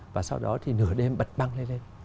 và sau đó thì nửa đêm bật băng lên